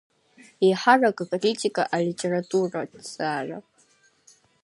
Еиҳарак акритика, алитератураҭҵаара.